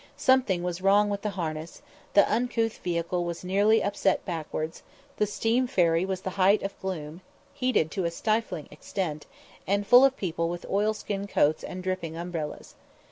Something was wrong with the harness; the uncouth vehicle was nearly upset backwards; the steam ferryboat was the height of gloom, heated to a stifling extent, and full of people with oil skin coats and dripping umbrellas.